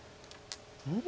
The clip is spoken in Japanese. うん？